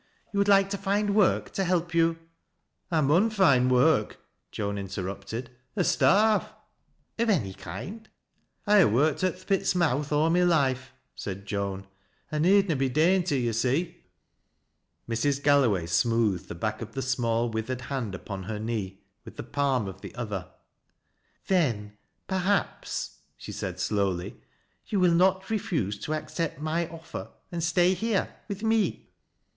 Tou would like tc find work'to help you "" I mun find work," Joan interrupted, " or star\'e." " Of any kind ?" questioningly. «I ha' worked at th' pit's mouth aw my life.'* aaid foan. " I need na be dainty, yo' see." 362 THAT LASS 0' LOWBIE'S. Mrs. Galloway smoothed the back of the small, witl; ered hand upon her knee with the palm of the other. " Then, perhaps," she said slowl}', " you will not refuse tf accept my offer and stay here — with me